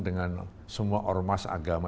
dengan semua ormas agama